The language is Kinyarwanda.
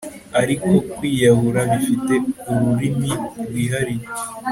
Ariko kwiyahura bifite ururimi rwihariye